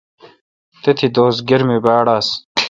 تھتی دوس گرمی باڑ آس۔